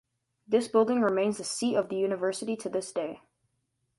This building remains the seat of the university to this day.